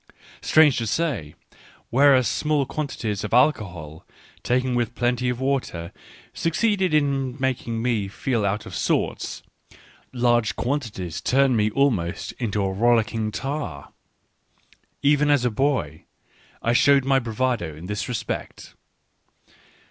Strange to say, whereas small quan tities of alcohol, taken with plenty of water, suc ceed in making me feel out of sorts, large quanti ties turn me almost into a rollicking tar. Even as a boy I showed my bravado in this respect.